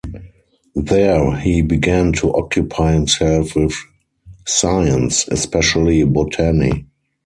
There he began to occupy himself with Science, especially botany.